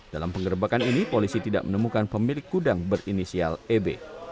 dalam penggerbakan ini polisi tidak menemukan pemilik gudang berinisial eb